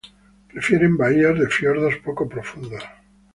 Prefieren bahías de fiordos poco profundos.